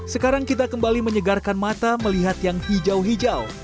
sekarang kita kembali menyegarkan mata melihat yang hijau hijau